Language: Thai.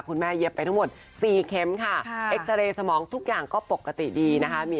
เย็บไปทั้งหมด๔เข็มค่ะเอ็กซาเรย์สมองทุกอย่างก็ปกติดีนะคะ